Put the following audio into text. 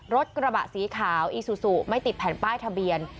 รถกระบะสีขาวอีซูซูไม่ติดแผ่นป้ายทะเบียน